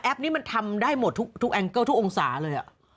นี่มันทำได้หมดทุกแองเกิลทุกองศาเลย